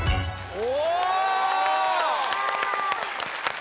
お！